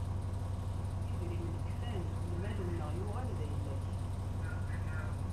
Idrimen kfan, lmal-nneɣ yuɣal d ayla-k.